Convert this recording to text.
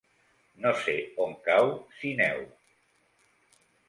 No sé on cau Sineu.